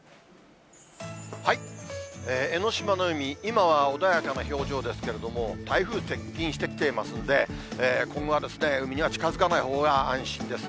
江の島の海、今は穏やかな表情ですけれども、台風接近してきていますので、今後は海には近づかないほうが、安心です。